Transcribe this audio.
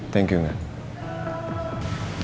thank you men